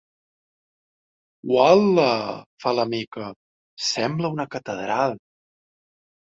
Ual·la! —fa la Mica— Sembla una catedral!